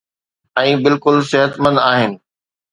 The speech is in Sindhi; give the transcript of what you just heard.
۽ بلڪل صحتمند آهن.